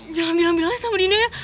jangan bilang bilang aja sama dina ya